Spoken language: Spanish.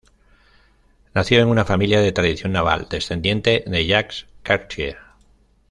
Nació en una familia de tradición naval descendiente de Jacques Cartier.